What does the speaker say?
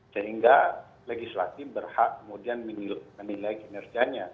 sehingga legislatif berhak kemudian menilai kinerjanya